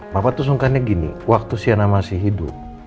bapak tuh sungkanya gini waktu sienna masih hidup